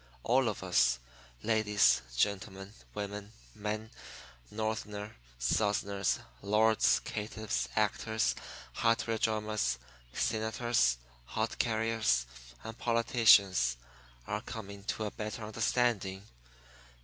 All of us ladies, gentlemen, women, men, Northerners, Southerners, lords, caitiffs, actors, hardware drummers, senators, hod carriers, and politicians are coming to a better understanding.